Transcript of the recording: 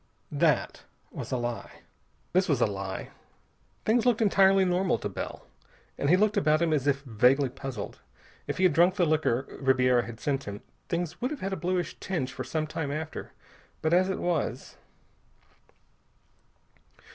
That was a lie. Things looked entirely normal to Bell. But he looked about him as if vaguely puzzled. If he had drunk the liquor Ribiera had sent him, things would have had a bluish tinge for some time after. But as it was....